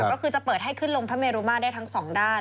ก็คือจะเปิดให้ขึ้นลงพระเมรุมาตรได้ทั้งสองด้าน